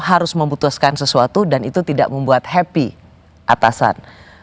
harus memutuskan sesuatu dan itu tidak membuat happy atasan